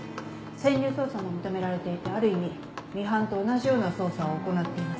潜入捜査も認められていてある意味ミハンと同じような捜査を行っています。